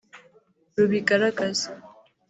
rubigaragaza